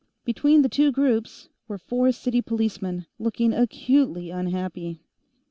Between the two groups were four city policemen, looking acutely unhappy.